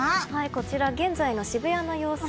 こちら、現在の渋谷の様子。